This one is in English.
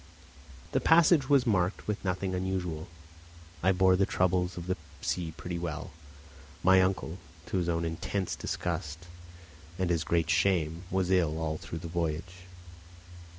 The passage was marked by nothing unusual. I bore the troubles of the sea pretty well; my uncle, to his own intense disgust, and his greater shame, was ill all through the voyage.